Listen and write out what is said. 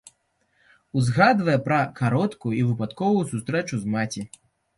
Узгадвае пра кароткую і выпадковую сустрэчу з маці.